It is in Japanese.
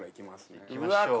いきましょう。